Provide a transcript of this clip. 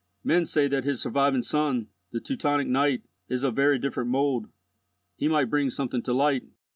Men say that his surviving son, the Teutonic knight, is of very different mould. He might bring something to light.